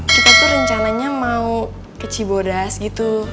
kita tuh rencananya mau ke cibodas gitu